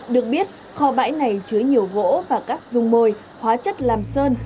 được biết kho bãi này chứa nhiều gỗ và các dung môi hóa chất làm sơn